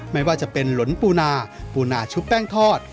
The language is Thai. ไม่ว่าจะเป็นหลนปูนาปูนาชุบแป้งทอด